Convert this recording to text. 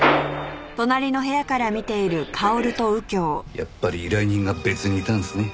やっぱり依頼人が別にいたんですね。